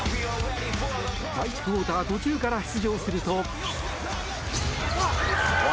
第１クオーター途中から出場すると。